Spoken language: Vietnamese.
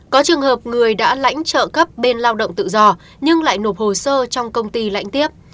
có trường hợp người đã lãnh trợ cấp bên lao động tự do nhưng lại nộp hồ sơ trong công ty lãnh tiếp